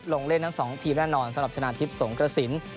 ลงเล่นทั้ง๒ทีมแน่นอนสำหรับชนะทิพย์สงกระสิน